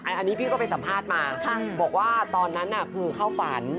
อันนี้พี่ก็ไปสัมภาษณ์มาบอกว่าตอนนั้นคือเข้าฝัน